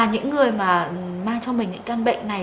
những người mà mang cho mình những căn bệnh này